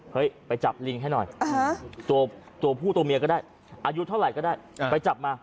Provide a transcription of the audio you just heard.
ไปจับลิงให้หน่อยตัวผู้ตัวเมียก็ได้อายุเท่าไหร่ก็ได้ไปจับมา